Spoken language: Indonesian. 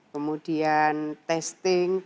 kemudian testing tracing